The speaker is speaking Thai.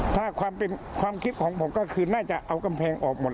ถ้าความคิดของผมก็คือน่าจะเอากำแพงออกหมด